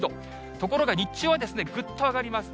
ところが日中はぐっと上がります。